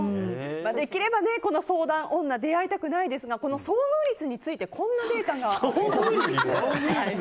できれば、この相談女出会いたくないですがこの遭遇率についてこんなデータがあります。